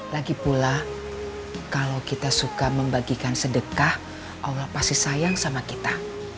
lagi pula kalau kita suka membagikan sedekah allah pasti sayang sama kita